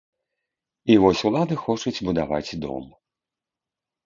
І вось улады хочуць будаваць дом.